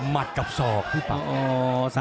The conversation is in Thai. มัดกับศอกพี่ป๊า